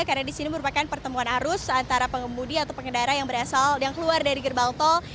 karena di sini merupakan pertemuan arus antara pengemudi atau pengendara yang keluar dari gerbang tau